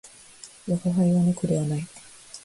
我が輩は猫ではない